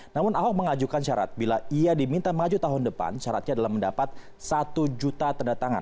namun ahok mengajukan syarat bila ia diminta maju tahun depan syaratnya adalah mendapat satu juta tanda tangan